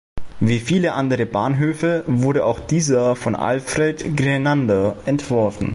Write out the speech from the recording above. Wie viele andere Bahnhöfe wurde auch dieser von Alfred Grenander entworfen.